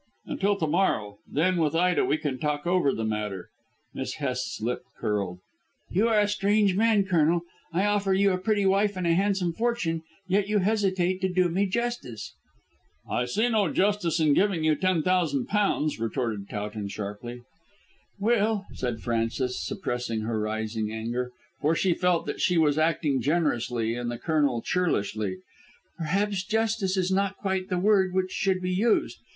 "Until to morrow. Then, with Ida, we can talk over the matter." Miss Hest's lip curled. "You are a strange man, Colonel. I offer you a pretty wife and a handsome fortune, yet you hesitate to do me justice." "I see no justice in giving you ten thousand pounds," retorted Towton sharply. "Well," said Frances, suppressing her rising anger, for she felt that she was acting generously and the Colonel churlishly, "perhaps justice is not quite the word which should be used.